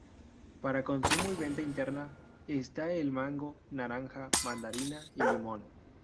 Para consumo y venta interna, está el mango, naranja, mandarina y limón.